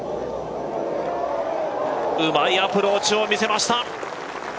うまいアプローチを見せました。